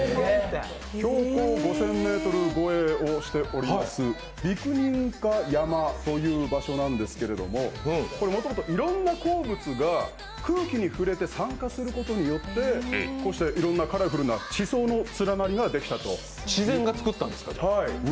標高５０００ｍ超えをしております、ビニクンカ山という場所なんですけれどもこれもともといろんな鉱物が空気に触れて酸化することによってこうしていろんなカラフルな地層の連なりができたと。